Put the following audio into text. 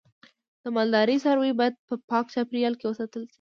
د مالدارۍ څاروی باید په پاک چاپیریال کې وساتل شي.